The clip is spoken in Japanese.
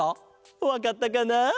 わかったかな？